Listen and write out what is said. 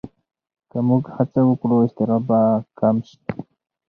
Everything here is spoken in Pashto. که موږ هڅه وکړو، اضطراب به کم شي.